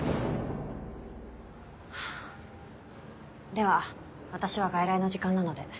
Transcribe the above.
では私は外来の時間なので。